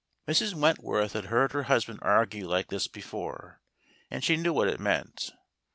Mrs. Wentworth had heard her husband argue like this before, and she knew what it meant.